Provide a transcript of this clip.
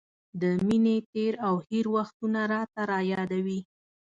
د مینې تېر او هېر وختونه راته را یادوي.